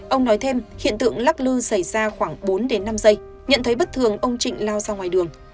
ông nói thêm hiện tượng lắc lư xảy ra khoảng bốn đến năm giây nhận thấy bất thường ông trịnh lao ra ngoài đường